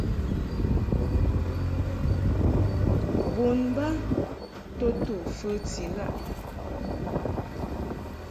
Bon ba to to fəti ghaʼ.